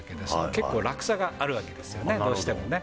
結構落差があるわけですよね、どうしてもね。